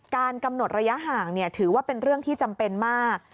การกำหนดระยะห่างถือว่าเป็นเรื่องที่จำเป็นมาก